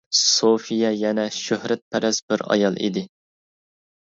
سوفىيە يەنە شۆھرەتپەرەس بىر ئايال ئىدى.